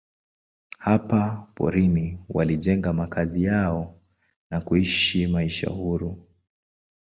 Hapa porini walijenga makazi yao na kuishi maisha huru.